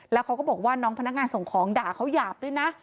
แล้วเขาก็บอกว่าน้องพนักงานส่งของด่าเขาหยาบด้วยนะ